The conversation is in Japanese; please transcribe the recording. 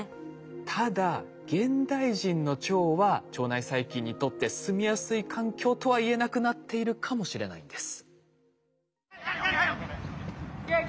ただ現代人の腸は腸内細菌にとって住みやすい環境とは言えなくなっているかもしれないんです。